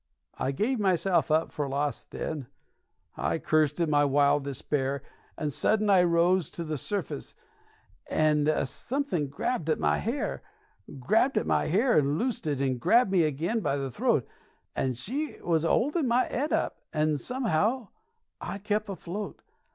I gave myself up for lost then, and I cursed in my wild despair, And sudden I rose to the surfis, and a su'thing grabbed at my hair, Grabbed at my hair and loosed it, and grabbed me agin by the throat, And she was a holdin' my 'ed up, and somehow I kep' afloat.